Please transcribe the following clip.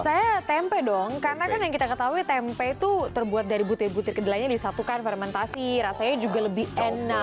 saya tempe dong karena kan yang kita ketahui tempe itu terbuat dari butir butir kedelainya disatukan fermentasi rasanya juga lebih enak